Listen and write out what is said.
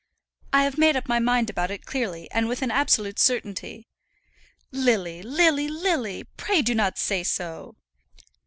I have made up my mind about it clearly and with an absolute certainty." "Lily, Lily, Lily! pray do not say so."